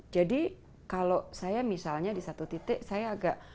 jadi kalau saya misalnya di satu titik saya agak